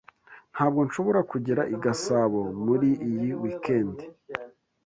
Ntabwo nshobora kugera i Gasabo muri iyi weekend.